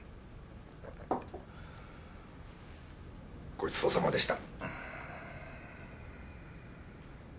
ごちそうさまでした。